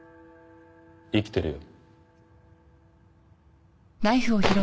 生きてるよ。